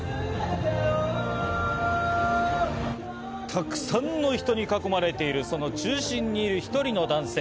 たくさんの人に囲まれているその中心にいる１人の男性。